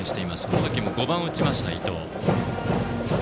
この時も５番を打ちました伊藤。